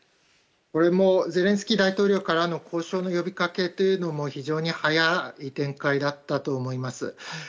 このゼレンスキー大統領からの交渉の呼びかけも非常に早い展開だったと思います。